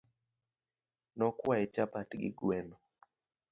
Nokwaye chapat gi gweno.